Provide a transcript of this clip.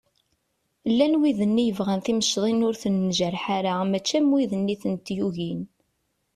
Llan widen i yebɣan timecḍin ur ten-njerreḥ ara mačči am widen i tent-yugin.